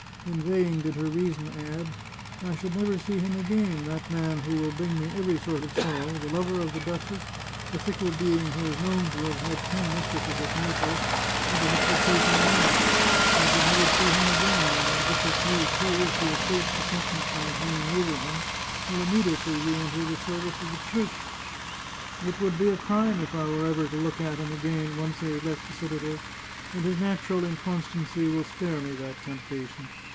In vain did her reason add :" I should never see him again — that man who will bring me every sort of sorrow, the lover of the duchess, the fickle being who is known to have had ten mistresses at Naples, and to have forsaken them all. I should never see him again — that am 348 The Chartreuse of Parma bitious youth, who, if he escapes the sentence now hanging over him, will immediately re enter the service of the Church, It would be a crime if I were ever to look at him again, once he has left the citadel, and his natural in constancy will spare me that temptation.